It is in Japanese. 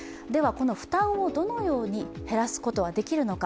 この負担をどのように減らすことができるのか。